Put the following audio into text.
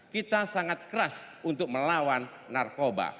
kita sangat keras untuk melawan narkoba